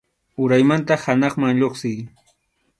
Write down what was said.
Uraymanta hanaqman lluqsiy.